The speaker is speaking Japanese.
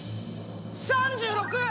３６！